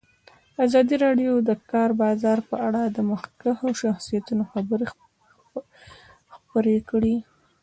ازادي راډیو د د کار بازار په اړه د مخکښو شخصیتونو خبرې خپرې کړي.